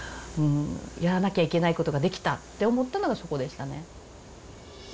やらなきゃいけない事ができたって思ったのがそこでしたね。